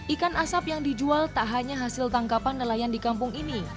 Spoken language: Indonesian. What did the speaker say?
ikan asap yang dijual tak hanya hasil tangkapan nelayan di kampung ini